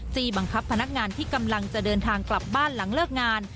บังคับพนักงานที่กำลังจะเดินทางกลับบ้านหลังเลิกงาน